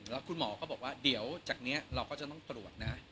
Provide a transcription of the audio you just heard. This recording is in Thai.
แล้วคุณหมอก็แบบเดี๋ยวจากนี้เราจะตรวจนะ